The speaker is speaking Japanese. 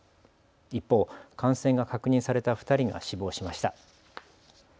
一方、感染が確認された２人が死亡しました。